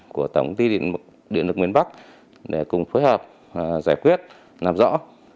của tổng ty điện lực nguyên bắc để cùng phối hợp giải quyết làm rõ